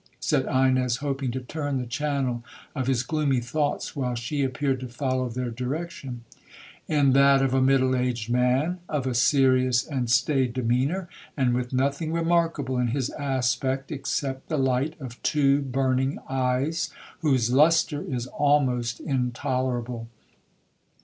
said Ines, hoping to turn the channel of his gloomy thoughts, while she appeared to follow their direction. 'In that of a middle aged man, of a serious and staid demeanour, and with nothing remarkable in his aspect except the light of two burning eyes, whose lustre is almost intolerable.